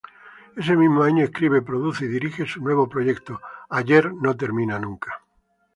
Ese mismo año escribe, produce y dirige su nuevo proyecto, "Ayer no termina nunca".